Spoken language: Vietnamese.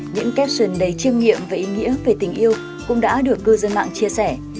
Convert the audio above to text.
những caption đầy chiêm nghiệm về ý nghĩa về tình yêu cũng đã được cư dân mạng chia sẻ